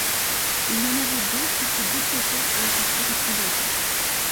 Il y en avait deux qui se dépiautaient, à la sortie du Grand-Balcon.